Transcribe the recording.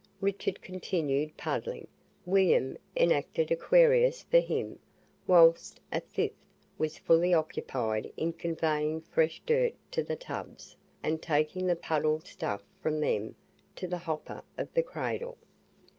Richard continued puddling, William, enacted Aquarius for him, whilst a fifth was fully occupied in conveying fresh dirt to the tubs, and taking the puddled stuff from them to the hopper of the cradle.